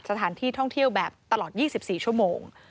สถานที่ท่องเที่ยวแบบตลอด๒๔ชั่วโมง